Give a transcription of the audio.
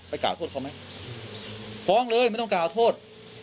กล่าวโทษเขาไหมฟ้องเลยไม่ต้องกล่าวโทษ